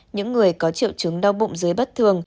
những người có triệu chứng đau bụng dưới bất thường